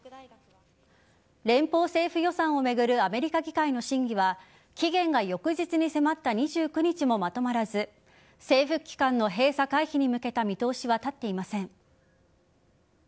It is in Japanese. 連邦政府予算を巡るアメリカ議会の審議は期限が翌日に迫った２９日もまとまらず政府機関の閉鎖回避に向けた見通しは立っていません。